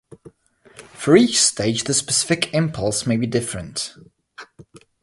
For each stage the specific impulse may be different.